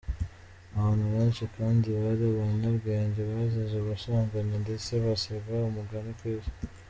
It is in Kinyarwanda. Abantu benshi kandi bari abanyabwenge bazize ubusambanyi ndetse basiga umugani ku Isi.